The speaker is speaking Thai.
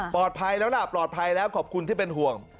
ปลอดภัยแล้วปลอดภัยแล้วขอบคุณที่เป็นห่วง